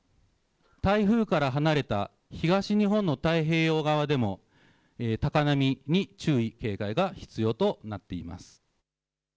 台風から離れた東日本の太平洋側でも高波に注意、警戒が必要となっています。